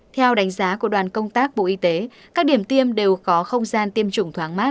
theo đánh giá của đoàn công tác bộ y tế các điểm tiêm đều có không gian tiêm chủng thoáng mát